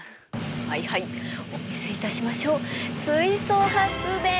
はいはいお見せいたしましょう水素発電。